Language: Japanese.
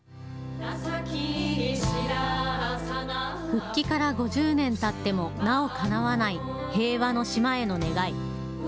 復帰から５０年たってもなお、かなわない平和の島への願い。